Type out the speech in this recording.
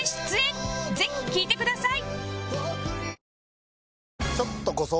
ぜひ聴いてください